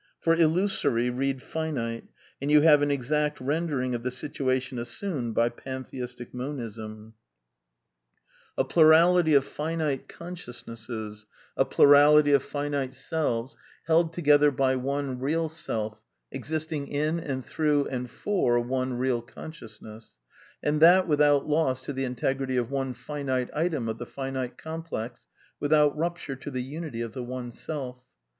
For " illusory " read " finite," and you have an exact rendering of the situation assumed by pantheistic Monism : 338 A DEFENCE OF IDEALISM A plurality of finite consciousnesses, a plurality of finite selves^ held together by one Beal Self^ existing in and through and for one Beal consciousness ; and that without loss to the integrity of one finite item of the finite com plex, without rupture to the unity of the one Self.